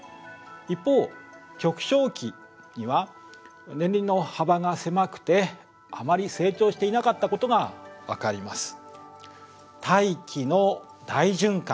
一方極小期には年輪の幅が狭くてあまり成長していなかったことが分かります。